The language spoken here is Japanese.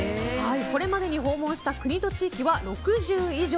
これまでに訪問した国と地域は６０以上。